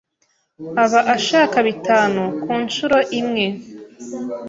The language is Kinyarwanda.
aba ashaka bitanu ku nshuro imwe